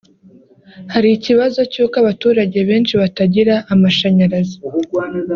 hari ikibazo cy’uko abaturage benshi batagira amashanyarazi